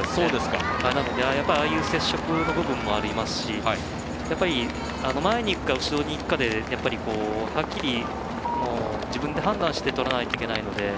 やっぱり、ああいう接触の部分もありますし前にいくか、後ろにいくかはっきり自分で判断して取らないといけないので。